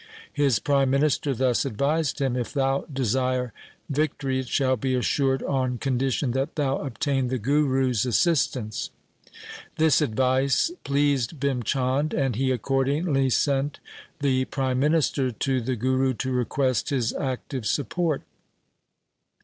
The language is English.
His prime minister thus advised him —' If thou desire victory, it shall be assured on condition that thou obtain the Guru's assistance.' This advice pleased Bhim Chand, and he accordingly sent the prime minister to the Guru to request his active support.